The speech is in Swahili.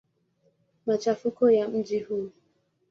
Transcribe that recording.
Machafuko ya mji huu.